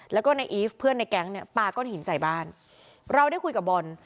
แล้วก็ในอีฟเพื่อนในแก๊งเนี่ยปลาก้อนหินใส่บ้านเราได้คุยกับบอล